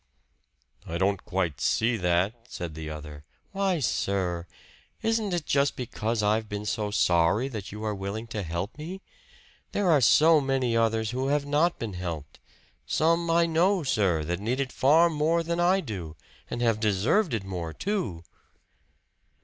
"I don't quite see that," said the other "Why, sir! Isn't it just because I've been so sorry that you are willing to help me? There are so many others who have not been helped some I know, sir, that need it far more than I do, and have deserved it more, too!"